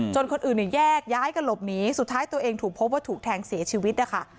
คนอื่นเนี่ยแยกย้ายกันหลบหนีสุดท้ายตัวเองถูกพบว่าถูกแทงเสียชีวิตนะคะ